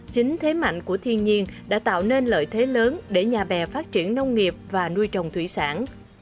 chính thế mạnh của thiên nhiên đã tạo nên lợi thế lớn để nhà bè phát triển nông nghiệp và nuôi trồng thủy sản